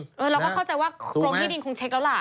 เราก็เข้าใจว่ากรมที่ดินคงเช็คแล้วล่ะ